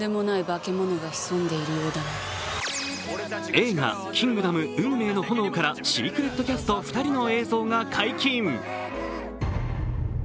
映画「キングダム運命の炎」からシークレットキャスト２人の映像が解禁。